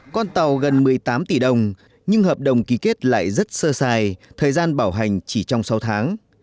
con tàu gần một mươi tám tỷ đồng nhưng hợp đồng ký kết lại rất sơ sài thời gian bảo hành chỉ trong sáu tháng